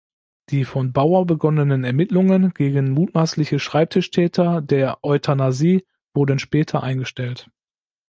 Die von Bauer begonnenen Ermittlungen gegen mutmaßliche Schreibtischtäter der „Euthanasie“ wurden später eingestellt.